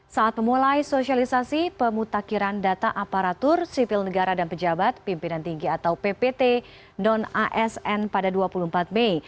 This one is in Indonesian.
saat memulai sosialisasi pemutakhiran data aparatur sipil negara dan pejabat pimpinan tinggi atau ppt non asn pada dua puluh empat mei